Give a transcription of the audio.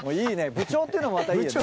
部長っていうのもまたいいよね。